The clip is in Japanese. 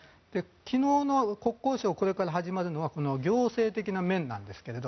昨日の国交省これから始まるのは行政的な面なんですけど